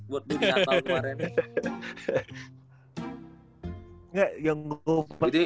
buat lu di natal kemarin